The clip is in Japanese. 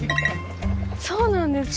そうなんですか？